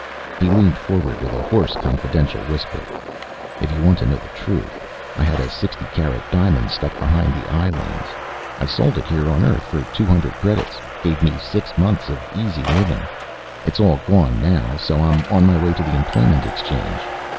He leaned forward with a hoarse confidential whisper, "If you want to know the truth, I had a sixty carat diamond stuck behind the eye lens. I sold it here on earth for two hundred credits, gave me six months of easy living. It's all gone now, so I'm on my way to the employment exchange."